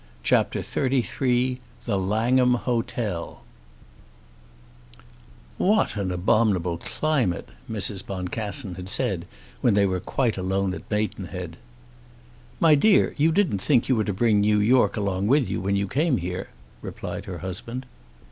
CHAPTER XXXIII The Langham Hotel "What an abominable climate," Mrs. Boncassen had said when they were quite alone at Maidenhead. "My dear, you didn't think you were to bring New York along with you when you came here," replied her husband.